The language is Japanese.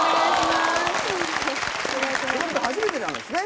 初めてなんですね？